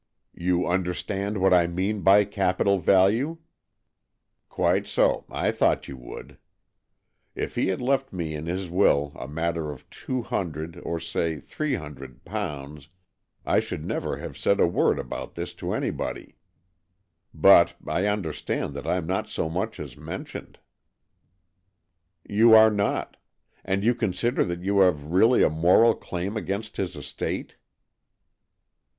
You understand what I mean by capital value ? Quite so, I thought you would. If he had left me in his will a matter of two hundred — or, say, three hundred — pounds, I should never have said a word about this to anybody. But I under stand that I'm not so much as mentioned." " You are not. And you consider that you have really a moral claim against his estate."